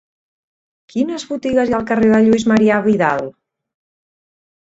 Quines botigues hi ha al carrer de Lluís Marià Vidal?